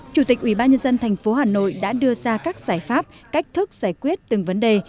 chủ tịch ubnd tp hà nội đã đưa ra các giải pháp cách thức giải quyết từng vấn đề